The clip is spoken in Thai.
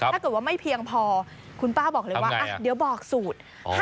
ถ้าเกิดว่าไม่เพียงพอคุณป้าบอกเลยว่าเดี๋ยวบอกสูตร